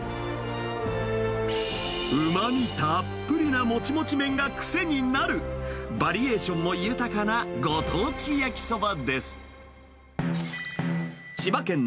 うまみたっぷりなもちもち麺が癖になる、バリエーションも豊かなご当地焼きそばです。